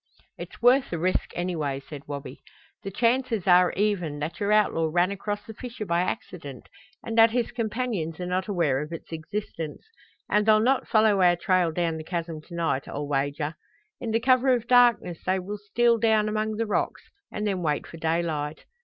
"It's worth the risk anyway," said Wabi. "The chances are even that your outlaw ran across the fissure by accident and that his companions are not aware of its existence. And they'll not follow our trail down the chasm to night, I'll wager. In the cover of darkness they will steal down among the rocks and then wait for daylight.